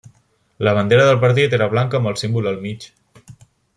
La bandera del partit era blanca amb el símbol al mig.